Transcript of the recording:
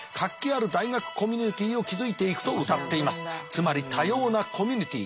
つまり多様なコミュニティー